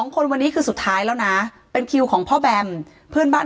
คนวันนี้คือสุดท้ายแล้วนะเป็นคิวของพ่อแบมเพื่อนบ้าน